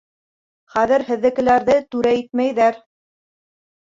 Хәҙер һеҙҙекеләрҙе түрә итмәйҙәр.